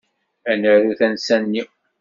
Ad naru tansa-nni.